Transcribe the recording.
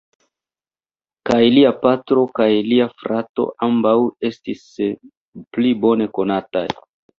Kaj lia patro kaj lia frato ambaŭ estis pli bone konataj.